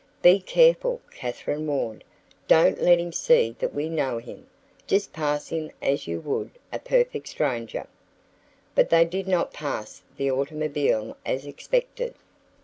"Be careful," Katherine warned. "Don't let him see that we know him. Just pass him as you would a perfect stranger." But they did not pass the automobile as expected.